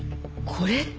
これって。